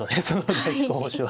第１候補手は。